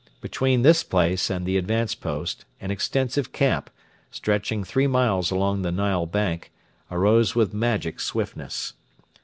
Between this place and the advanced post an extensive camp, stretching three miles along the Nile bank, arose with magic swiftness.